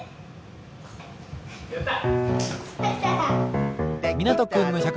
やった！